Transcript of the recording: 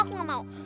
aku gak mau